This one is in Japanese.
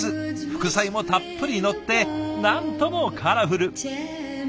副菜もたっぷりのってなんともカラフル。